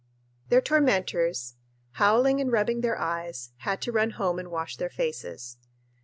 Their tormentors, howling and rubbing their eyes, had to run home and wash their faces.